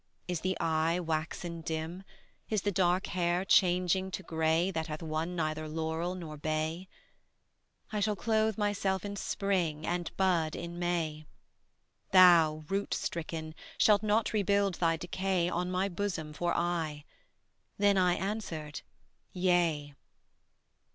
Is the eye waxen dim, is the dark hair changing to gray That hath won neither laurel nor bay? I shall clothe myself in Spring and bud in May: Thou, root stricken, shalt not rebuild thy decay On my bosom for aye. Then I answered: Yea.